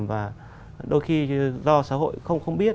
và đôi khi do xã hội không biết